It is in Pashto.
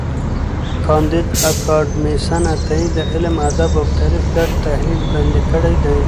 کانديد اکاډميسن عطایي د علم، ادب او تاریخ ګډ تحلیل وړاندي کړی دی.